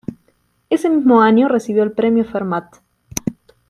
Ese mismo año recibió el Premio Fermat.